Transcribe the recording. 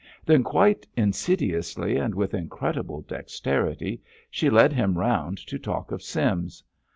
Then quite insidiously and with incredible dexterity she led him round to talk of Sims.